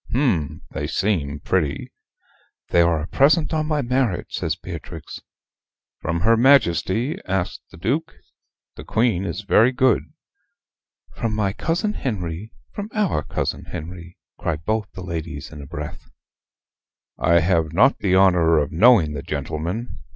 "Hm! they seem pretty." "They are a present on my marriage," says Beatrix. "From her Majesty?" asks the Duke. "The Queen is very good." "From my cousin Henry from our cousin Henry" cry both the ladies in a breath. "I have not the honor of knowing the gentleman.